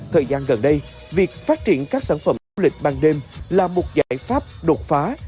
thời gian gần đây việc phát triển các sản phẩm du lịch ban đêm là một giải pháp đột phá